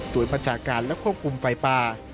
โดยประชาการและควบคุมไฟป่า